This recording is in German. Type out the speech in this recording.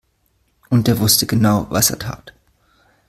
Und er wusste genau, was er tat.